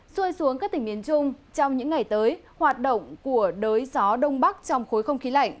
xuôi xuống các tỉnh miền trung trong những ngày tới hoạt động của đới gió đông bắc trong khối không khí lạnh